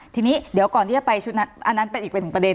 ทีนี้เดี๋ยวก่อนที่จะไปชุดอันนั้นเป็นอีกประเด็น